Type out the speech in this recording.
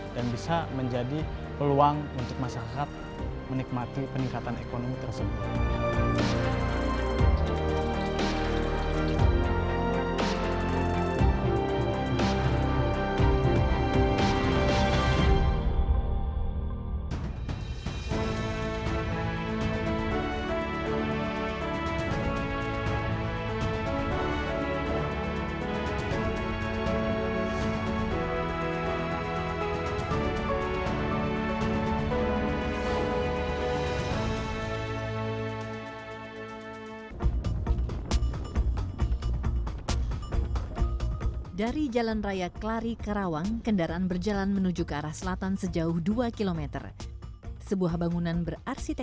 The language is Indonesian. dan bisa menjadi peluang untuk masyarakat menikmati peningkatan ekonomi tersebut